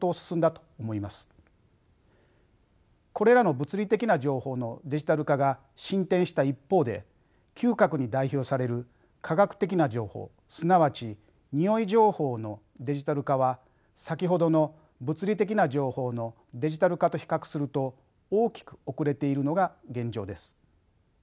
これらの物理的な情報のデジタル化が進展した一方で嗅覚に代表される化学的な情報すなわちにおい情報のデジタル化は先ほどの物理的な情報のデジタル化と比較すると大きく遅れているのが現状です。